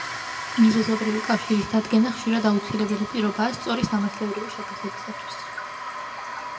მიზეზობრივი კავშირის დადგენა ხშირად აუცილებელი პირობაა სწორი სამართლებრივი შეფასებისათვის.